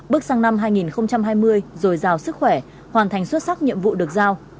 bước sang năm hai nghìn hai mươi rồi giàu sức khỏe hoàn thành xuất sắc nhiệm vụ được giao